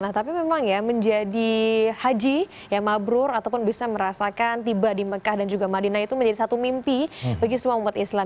nah tapi memang ya menjadi haji yang mabrur ataupun bisa merasakan tiba di mekah dan juga madinah itu menjadi satu mimpi bagi semua umat islam